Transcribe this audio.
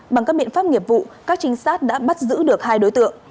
bằng các biện pháp nghiệp vụ các trinh sát đã bắt giữ được hai đối tượng